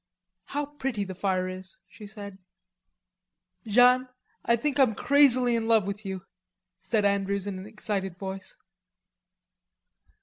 "How pretty the fire is," she said. "Jeanne, I think I'm crazily in love with you," said Andrews in an excited voice.